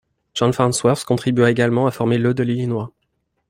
John Farnsworth contribua également à former le de l'Illinois.